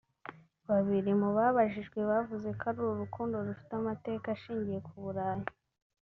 Babiri mu babajijwe bavuze ko ari uru rukiko rufite amateka ashingiye ku Burayi